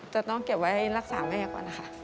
จะต้องเก็บไว้ให้รักษาแม่ก่อนนะคะ